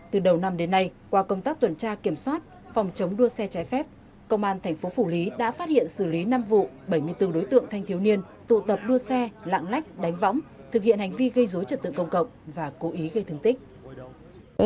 từ đầu năm đến nay qua công tác tuần tra kiểm soát phòng chống đua xe trái phép công an thành phố phủ lý đã phát hiện xử lý năm vụ bảy mươi bốn đối tượng thanh thiếu niên tụ tập đua xe lạng lách đánh võng thực hiện hành vi gây dối trật tự công cộng và cố ý gây thương tích